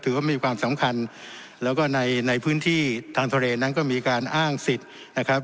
ถือว่ามีความสำคัญแล้วก็ในในพื้นที่ทางทะเลนั้นก็มีการอ้างสิทธิ์นะครับ